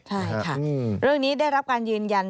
ใช่ค่ะเรื่องนี้ได้รับการยืนยัน